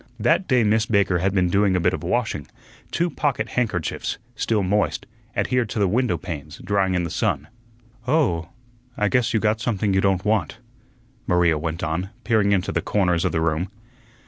That day Miss Baker had been doing a bit of washing; two pocket handkerchiefs, still moist, adhered to the window panes, drying in the sun. "Oh, I guess you got something you don't want," Maria went on, peering into the corners of the room.